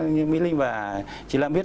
như mỹ linh và chị lam biết